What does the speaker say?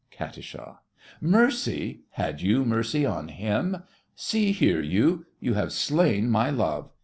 KAT. Mercy? Had you mercy on him? See here, you! You have slain my love.